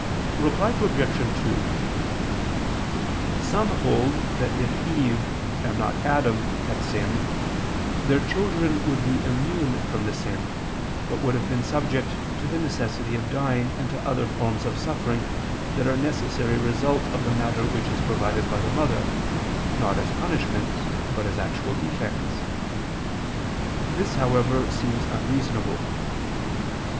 Reply Obj. 2: Some hold that if Eve, and not Adam, had sinned, their children would be immune from the sin, but would have been subject to the necessity of dying and to other forms of suffering that are a necessary result of the matter which is provided by the mother, not as punishments, but as actual defects. This, however, seems unreasonable.